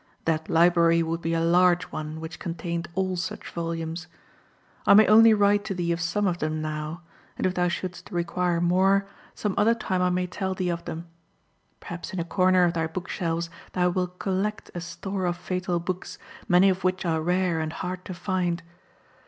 That library would be a large one which contained all such volumes. I may only write to thee of some of them now, and if thou shouldest require more, some other time I may tell thee of them. Perhaps in a corner of thy book shelves thou wilt collect a store of Fatal Books, many of which are rare and hard to find.